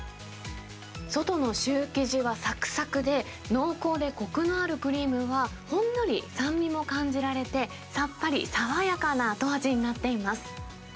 外のシュー生地はさくさくで、濃厚でこくのあるクリームがほんのり酸味も感じられて、さっぱり、爽やかな後味になっています。